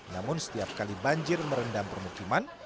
namun setiap kali banjir merendam permukiman